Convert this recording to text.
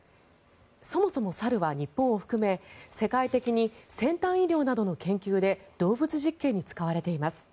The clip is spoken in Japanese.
そもそも猿は日本を含め世界的に先端医療などの研究で動物実験に使われています。